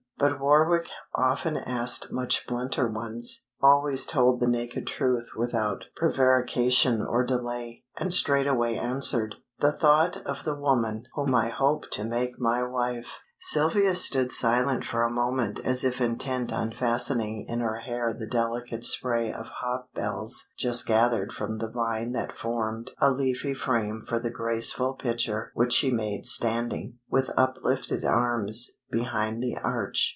But Warwick often asked much blunter ones, always told the naked truth without prevarication or delay, and straightway answered "The thought of the woman whom I hope to make my wife." Sylvia stood silent for a moment as if intent on fastening in her hair the delicate spray of hop bells just gathered from the vine that formed a leafy frame for the graceful picture which she made standing, with uplifted arms, behind the arch.